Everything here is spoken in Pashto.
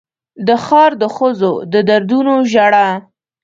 د ښار د ښځو د دردونو ژړا